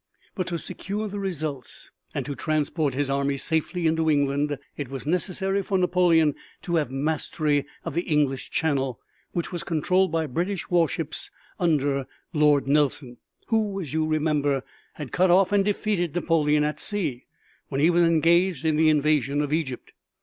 But to secure the results and to transport his army safely into England it was necessary for Napoleon to have mastery of the English Channel, which was controlled by British warships under Lord Nelson, who, as you remember, had cut off and defeated Napoleon at sea when he was engaged in the invasion of Egypt.